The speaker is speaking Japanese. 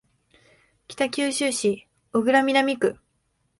北九州市小倉南区